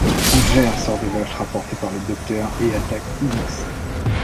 Un ver sort de l'œuf rapporté par le Docteur et attaque Hinks.